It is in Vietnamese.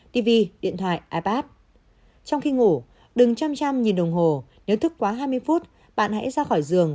tv điện thoại ipad trong khi ngủ đừng chăm chăm nhìn đồng hồ nếu thức quá hai mươi phút bạn hãy ra khỏi giường